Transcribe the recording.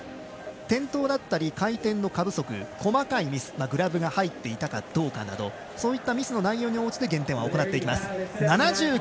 転倒だったり回転の過不足細かいミスグラブが入っていたかどうかなどそういったミスの内容に応じて減点されます。